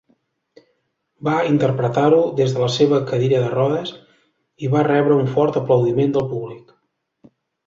Va interpretar-lo des de la seva cadira de rodes i va rebre un fort aplaudiment del públic.